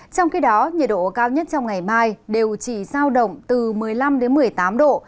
trong khi đó nhiệt độ cao nhất trong ngày mai đều chỉ giao động từ một mươi năm đến một mươi tám độ